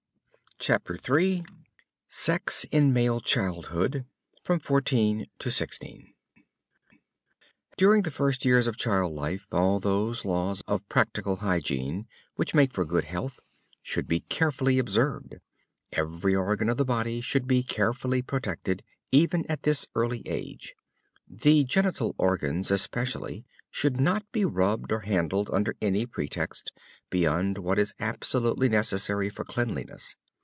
CHAPTER III SEX IN MALE CHILDHOOD (FROM 14 TO 16) During the first years of child life all those laws of practical hygiene which make for good health should be carefully observed. Every organ of the body should be carefully protected, even at this early age. The genital organs, especially, should not be rubbed or handled under any pretext, beyond what is absolutely necessary for cleanliness.